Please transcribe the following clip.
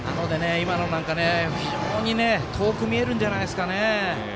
今のは非常に遠く見えるんじゃないですか。